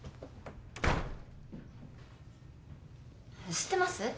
知ってます？